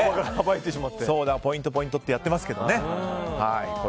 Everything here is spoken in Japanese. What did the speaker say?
ポイント、ポイントってやってますけどね。